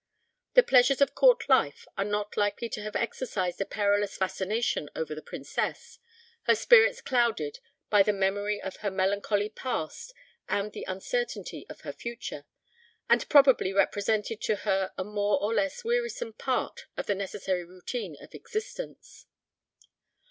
The pleasures of court life are not likely to have exercised a perilous fascination over the Princess, her spirits clouded by the memory of her melancholy past and the uncertainty of her future, and probably represented to her a more or less wearisome part of the necessary routine of existence.